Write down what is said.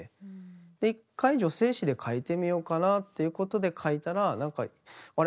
で一回女性詞で書いてみようかなっていうことで書いたらあれ？